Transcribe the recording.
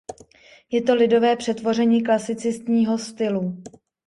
Je to lidové přetvoření klasicistního stylu.